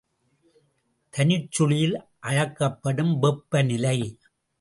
தனிச்சுழியில் அளக்கப்படும் வெப்பநிலை.